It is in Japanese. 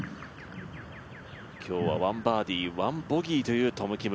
今日は１バーディー１ボギーというトム・キム。